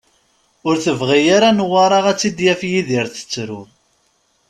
Ur tebɣi ara Newwara ad tt-id-yaf Yidir tettru.